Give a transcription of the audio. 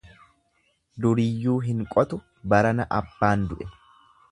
Duriyyuu hin qotu barana abbaan du'e.